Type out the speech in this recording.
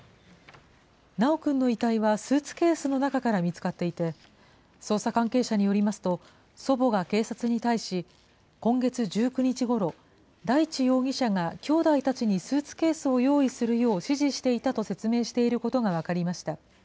修くんの遺体はスーツケースの中から見つかっていて、捜査関係者によりますと、祖母が警察に対し、今月１９日ごろ、大地容疑者がきょうだいたちにスーツケースを用意するよう指示していたと説明していることが分かりました。